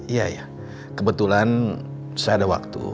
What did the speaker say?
iya ya kebetulan saya ada waktu